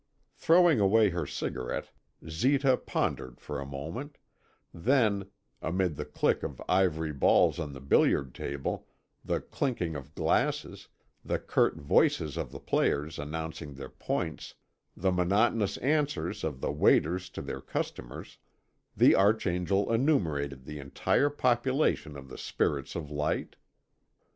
Throwing away her cigarette, Zita pondered for a moment, then, amid the click of ivory balls on the billiard table, the clinking of glasses, the curt voices of the players announcing their points, the monotonous answers of the waiters to their customers, the Archangel enumerated the entire population of the spirits of light.